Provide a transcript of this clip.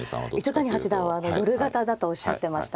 糸谷八段は夜型だとおっしゃってました。